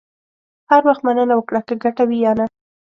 هر وخت مننه وکړه، که ګټه وي یا نه.